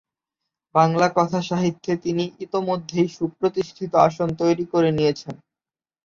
বাংলা কথাসাহিত্যে তিনি ইতোমধ্যেই সুপ্রতিষ্ঠিত আসন তৈরি করে নিয়েছেন।